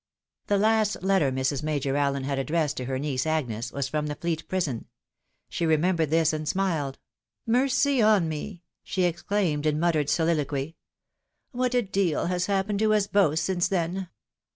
The last letter Mrs. Major Allen had addressed to her niece Agnes was from the Fleet Prison : she remembered this and smiled. " Mercy on me !" she exclaimed in muttered soliloquy. "What a deal has happened to us both since then